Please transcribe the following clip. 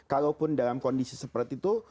kalau pun dalam kondisi seperti itu